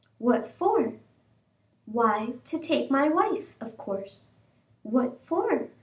"What for?" "Why, to take my wife, of course." "What for?"